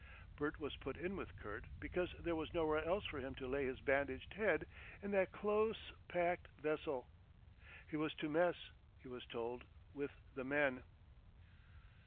Bert was put in with Kurt because there was nowhere else for him to lay his bandaged head in that close packed vessel. He was to mess, he was told, with the men.